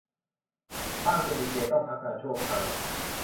บ้างจะมีเกณฑ์ต้องพักงานชั่วคราว